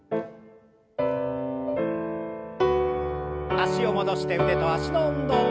脚を戻して腕と脚の運動。